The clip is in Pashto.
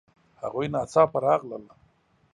هغوی ناڅاپه راغلل